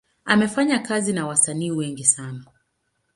Amefanya kazi na wasanii wengi sana.